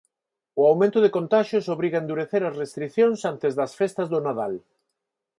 O aumento de contaxios obriga a endurecer as restricións antes das festas do Nadal.